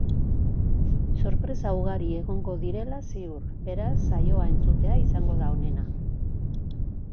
Sorpresa ugari egongo direla ziur, beraz, saioa entzutea izango da onena.